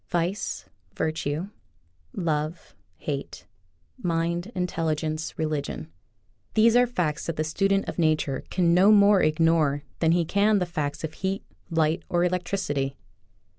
Vice, virtue, love, hate, mind, intelli gence, religion — these are facts that the student of nature can no more ignore than he can the facts of heat, light, or electricity.